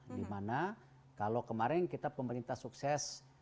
dimana kalau kemarin kita pemerintah sukses